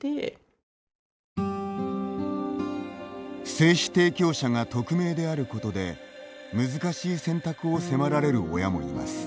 精子提供者が匿名であることで難しい選択を迫られる親もいます。